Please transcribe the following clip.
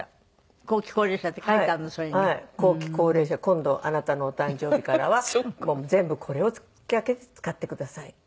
今度あなたのお誕生日からは全部これを使ってください。